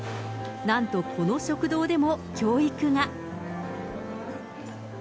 なんとこの食堂でも教育が。